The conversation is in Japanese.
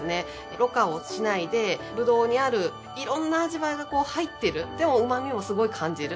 ろ過をしないでブドウにあるいろんな味わいが入ってるでも旨みもすごい感じる。